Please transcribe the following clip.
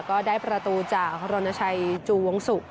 ก็ได้ประตูจากรณชัยจูวงศุกร์